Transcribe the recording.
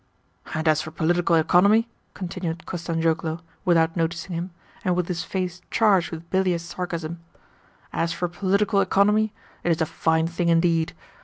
"And as for political economy," continued Kostanzhoglo, without noticing him, and with his face charged with bilious sarcasm, " as for political economy, it is a fine thing indeed.